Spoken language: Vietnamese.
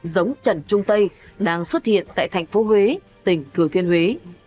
giống trần trung tây đang xuất hiện tại thành phố huế tỉnh thừa thiên huế